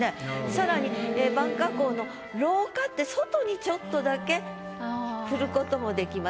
更に「晩夏光の廊下」って外にちょっとだけ振ることもできますね。